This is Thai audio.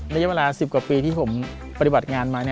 ในเวลาสิบกว่าปีที่ผมปฏิบัติงานมา